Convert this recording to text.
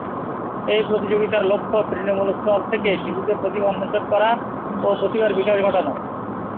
এই প্রতিযোগিতার লক্ষ্য তৃণমূল স্তর থেকে শিশুদের প্রতিভা অন্বেষণ করা ও প্রতিভার বিকাশ ঘটানো।